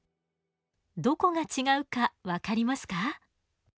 どこが違うか分かりますか？